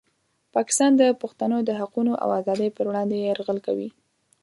پاکستان د پښتنو د حقونو او ازادۍ په وړاندې یرغل کوي.